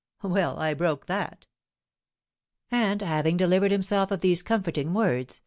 Well, I broke that!" And, having delivered himself of these comforting words, M.